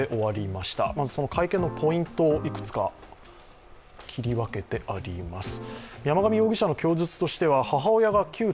まず、その会見のポイントをいくつか切り分けてあります。